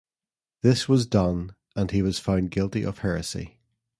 This was done and he was found guilty of heresy.